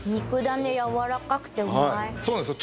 はいそうなんですよ